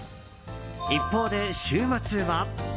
一方で週末は。